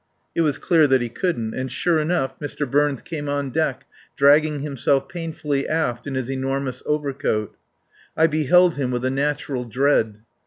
It was clear that he couldn't. And sure enough Mr. Burns came on deck dragging himself painfully aft in his enormous overcoat. I beheld him with a natural dread.